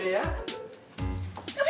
eh apa yang ada